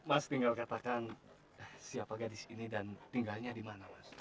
mas tinggal katakan siapa gadis ini dan tinggalnya di mana mas